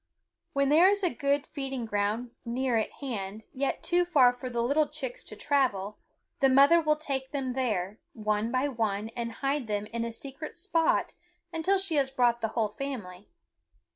When there is a good feeding ground near at hand, yet too far for the little chicks to travel, the mother will take them there, one by one, and hide them in a secret spot until she has brought the whole family.